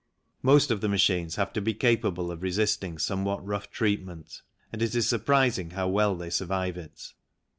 Most of the machines have to be capable of resisting somewhat rough treatment, and it is surprising how well they survive it.